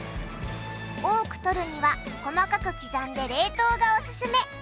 多くとるには細かく刻んで冷凍がオススメ。